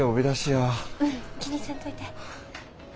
うん気にせんといて。